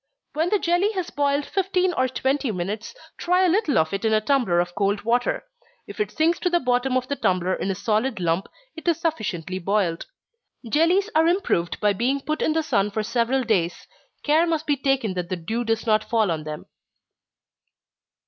When the jelly has boiled fifteen or twenty minutes, try a little of it in a tumbler of cold water if it sinks to the bottom of the tumbler in a solid lump, it is sufficiently boiled. Jellies are improved by being put in the sun for several days care must be taken that the dew does not fall on them.